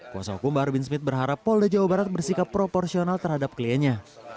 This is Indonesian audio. kuasa hukum bahar bin smith berharap polda jawa barat bersikap proporsional terhadap kliennya